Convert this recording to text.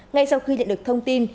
ngay sau khi nhận được thông tin